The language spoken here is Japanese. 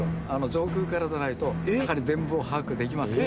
上空からじゃないとやはり全貌を把握できません。